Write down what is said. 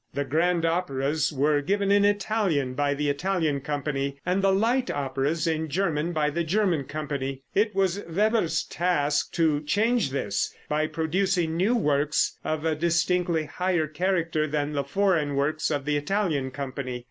The grand operas were given in Italian by the Italian company, and the light operas in German by the German company. It was Weber's task to change this, by producing new works of a distinctly higher character than the foreign works of the Italian company.